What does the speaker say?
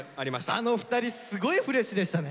あの２人すごいフレッシュでしたね。